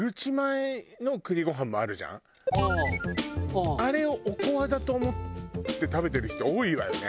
いわゆるあれをおこわだと思って食べてる人多いわよね。